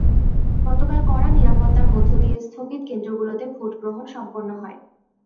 গতকাল কড়া নিরাপত্তার মধ্য দিয়ে স্থগিত কেন্দ্রগুলোতে ভোট গ্রহণ সম্পন্ন হয়।